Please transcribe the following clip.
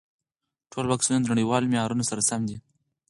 ټول واکسینونه د نړیوالو معیارونو سره سم دي.